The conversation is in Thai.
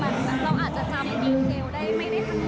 เพราะว่าคือเราอาจจะจำในดีเทลได้ไม่ได้ทั้งหมด